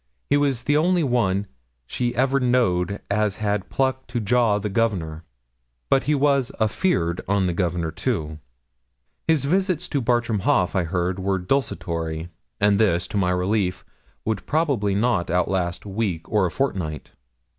He was the only one 'she ever knowed as had pluck to jaw the Governor.' But he was 'afeard on the Governor, too.' His visits to Bartram Haugh, I heard, were desultory; and this, to my relief, would probably not outlast a week or a fortnight.